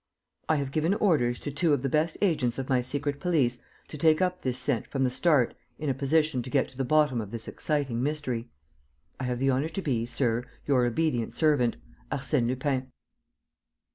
"I have given orders to two of the best agents of my secret police to take up this scent from the start in a position to get to the bottom of this exciting mystery. "I have the honor to be Sir, "Your obedient servant, "ARSÈNE LUPIN."